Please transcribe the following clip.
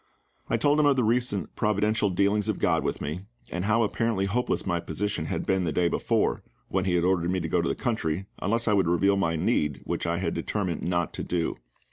I told him of the recent providential dealings of GOD with me, and how apparently hopeless my position had been the day before, when he had ordered me to go to the country, unless I would reveal my need, which I had determined not to do.